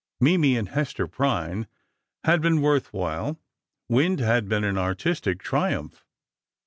Mimi and Hester Prynne had been worth while. "Wind" had been an artistic triumph.